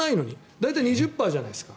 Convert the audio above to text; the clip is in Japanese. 大体２０％じゃないですか。